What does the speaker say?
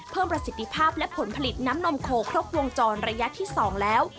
ประสิทธิภาพและผลผลิตน้ำนมโคครบวงจรระยะที่๒แล้ว